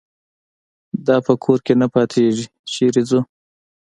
دا په کور کې نه پاتېږي چېرته ځو.